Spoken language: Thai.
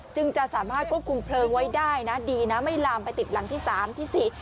จึงจะสามารถควบคุมเพลิงไว้ได้นะดีนะไม่ลามไปติดหลังที่สามที่สี่